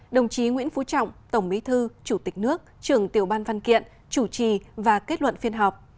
đồng chí nguyễn phú trọng tổng bí thư chủ tịch nước trưởng tiểu ban văn kiện chủ trì và kết luận phiên họp